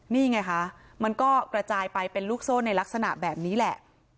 นี่ไงคะมันก็กระจายไปเป็นลูกโซ่ในลักษณะแบบนี้แหละ